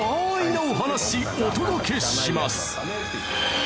なお話お届けします